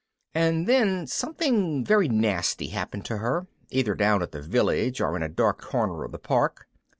And then something very nasty happened to her, either down at the Village or in a dark corner of the Park.